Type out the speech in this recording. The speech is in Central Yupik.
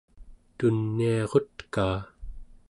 tuniarutkaa